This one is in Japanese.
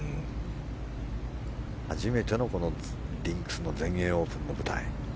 初めてのリンクスの全英オープンの舞台。